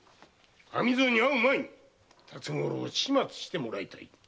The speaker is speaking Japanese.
網蔵に会う前に辰五郎を始末してもらいたい。